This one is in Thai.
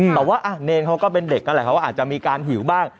แต่ว่าเนรนเขาก็เป็นเด็กเขาอาจจะมีการหิวบ้าง